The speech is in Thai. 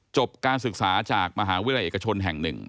จบการศึกษาจากมหาวิทยาลัยเอกชนแห่ง๑